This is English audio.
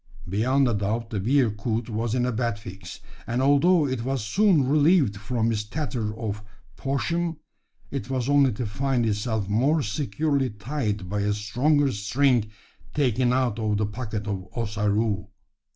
Beyond a doubt the bearcoot was in a bad fix; and, although it was soon relieved from its tether of poshm, it was only to find itself more securely tied by a stronger string taken out of the pocket of Ossaroo.